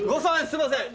すいません。